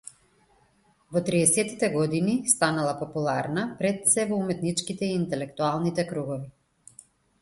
Во триесеттите години станала популарна, пред сѐ во уметничките и интелектуалните кругови.